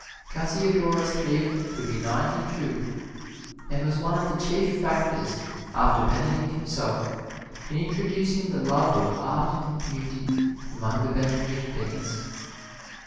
Cassiodorus lived to be ninety two, and was one of the chief factors, after Benedict himself, in introducing the love of art and beauty among the Benedictines.